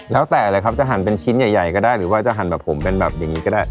แล้วแต่เลยครับจะหั่นเป็นชิ้นใหญ่ก็ได้หรือว่าจะหั่นแบบผมเป็นแบบอย่างนี้ก็ได้